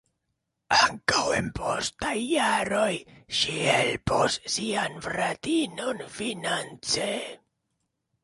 Ankaŭ en postaj jaroj ŝi helpos sian fratinon finance.